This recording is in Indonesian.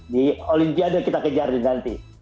di olimpiade kita kejar nanti